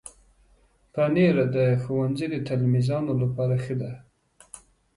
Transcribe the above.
پنېر د ښوونځي د تلمیذانو لپاره ښه ده.